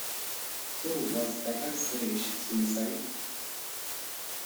So was Packard's finish suicide.